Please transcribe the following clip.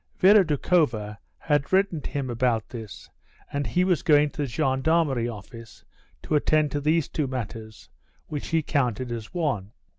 Vera Doukhova had written to him about this, and he was going to the Gendarmerie Office to attend to these two matters, which he counted as one.